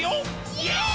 イエーイ！！